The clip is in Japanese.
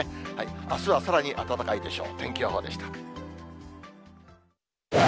あすはさらに暖かいでしょう。